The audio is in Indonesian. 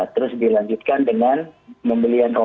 terus dilanjutkan dengan pembelian